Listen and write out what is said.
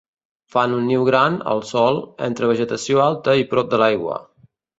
Fan un niu gran, al sòl, entre vegetació alta i prop de l'aigua.